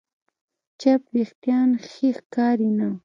چپ وېښتيان ښې ښکاري نه.